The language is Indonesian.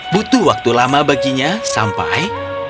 butuh waktu lama baginya sampai